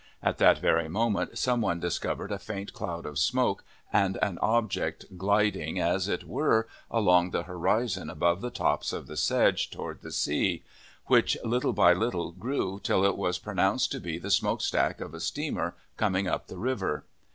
At that very moment some one discovered a faint cloud of smoke, and an object gliding, as it were, along the horizon above the tops of the sedge toward the sea, which little by little grew till it was pronounced to be the smoke stack of a steamer coming up the river.